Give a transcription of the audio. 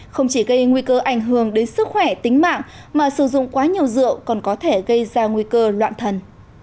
không chỉ gây nguy cơ ảnh hưởng đến sức khỏe tính mạng mà sử dụng quá nhiều rượu còn có thể gây ra nguy cơ loạn thần